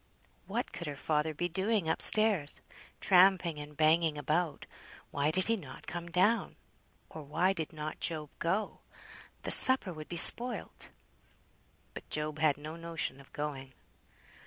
What could her father be doing up stairs? Tramping and banging about. Why did he not come down? Or why did not Job go? The supper would be spoilt. But Job had no notion of going.